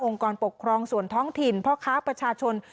กรปกครองส่วนท้องถิ่นพ่อค้าประชาชน